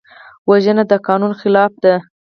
وژنه د قانون خلاف ده